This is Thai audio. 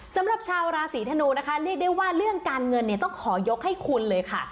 สำหรับชาวราศีธนูนะคะเรียกได้ว่าเรื่องการเงินเนี่ยต้องขอยกให้คุณเลยค่ะ